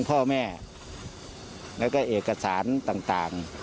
พ่อแม่แล้วก็เอกสารต่าง